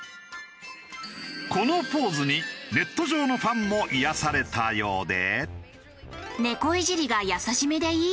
このポーズにネット上のファンも癒やされたようで。